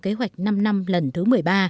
kế hoạch năm năm lần thứ một mươi ba